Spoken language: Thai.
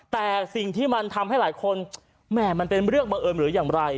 แต่สิ่งที่มันทำให้หลายคนแหม่มันเป็นเรื่องบังเอิญหรืออย่างไร